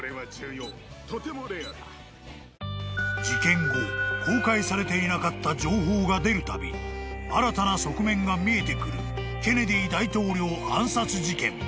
［事件後公開されていなかった情報が出るたび新たな側面が見えてくるケネディ大統領暗殺事件］